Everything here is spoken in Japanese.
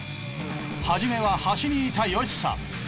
初めは端にいたヨシさん。